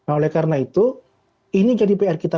oleh karena itu ini jadi pr kita